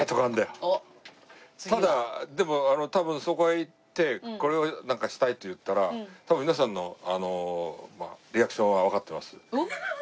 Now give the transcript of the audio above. ただでも多分そこへ行ってこれをしたいって言ったら多分皆さんのリアクションはわかってます。